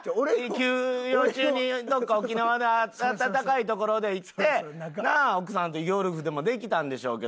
休養中にどこか沖縄だ暖かい所行ってなあ奥さんとヨルフでもできたんでしょうけど。